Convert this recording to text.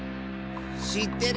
しってる！